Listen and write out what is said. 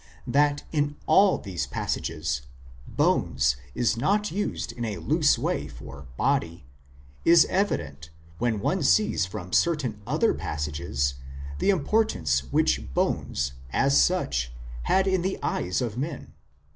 31 ; that in all these passages " bones " is not used in a loose way for " body " is evident when one sees from certain other passages the importance which bones, as such, had in the eyes of men.